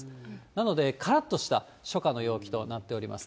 なので、からっとした初夏の陽気となっております。